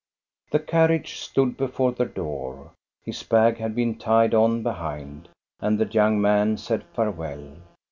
The carriage stood before the door. His bag had been tied on behind, and the young man said farewell.